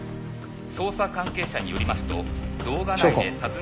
「捜査関係者によりますと」祥子。